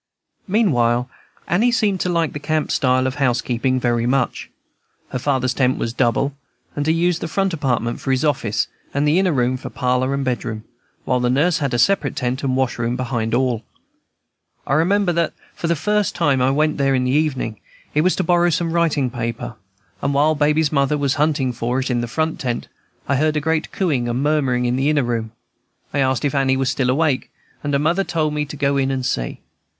Meanwhile Annie seemed to like the camp style of housekeeping very much. Her father's tent was double, and he used the front apartment for his office, and the inner room for parlor and bedroom; while the nurse had a separate tent and wash room behind all. I remember that, the first time I went there in the evening, it was to borrow some writing paper; and while Baby's mother was hunting for it in the front tent, I heard a great cooing and murmuring in the inner room. I asked if Annie was still awake, and her mother told me to go in and see.